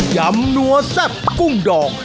ำนัวแซ่บกุ้งดอง